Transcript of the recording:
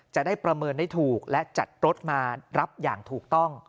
จะได้ประเมินได้ถูกและจัดรถมารับอย่างถูกต้อง